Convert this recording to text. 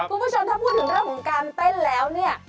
คุณผู้ชมถ้าพูดถึงเรื่องของการเต้นแล้วเนี่ย